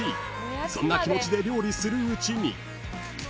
［そんな気持ちで料理するうちに］